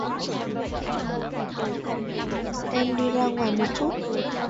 Em đi ra ngoài một chút